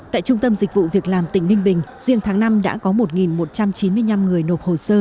tại trung tâm dịch vụ việc làm tỉnh ninh bình riêng tháng năm đã có một một trăm chín mươi năm người nộp hồ sơ